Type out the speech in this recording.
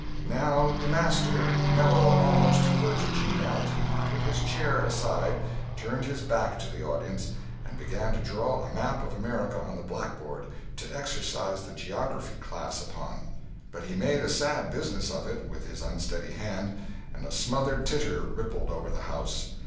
Now the master, mellow almost to the verge of geniality, put his chair aside, turned his back to the audience, and began to draw a map of America on the blackboard, to exercise the geography class upon. But he made a sad business of it with his unsteady hand, and a smothered titter rippled over the house.